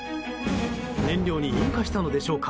燃料に引火したのでしょうか